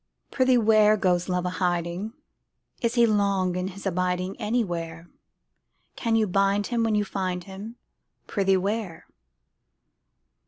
Prithee where, Goes Love a hiding? Is he long in his abiding Anywhere? Can you bind him when you find him; Prithee, where?